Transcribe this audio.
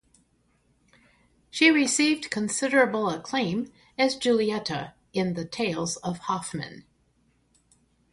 She received considerable acclaim as Giulietta in "The Tales of Hoffmann".